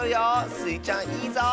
スイちゃんいいぞ！